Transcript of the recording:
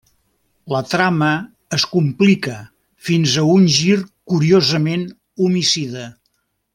La trama es complica fins a un gir curiosament homicida.